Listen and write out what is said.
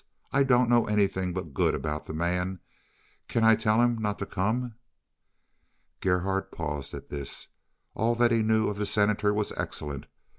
I don't know anything but good about the man. Can I tell him not to come?" Gerhardt paused at this. All that he knew of the Senator was excellent.